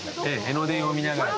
江ノ電を見ながら。